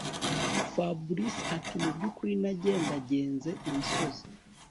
Fabric atimubyukuri nagendagenze imisozi